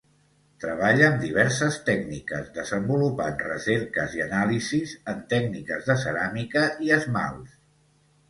Treballa amb diverses tècniques, desenvolupant recerques i anàlisis en tècniques de ceràmica i esmalts.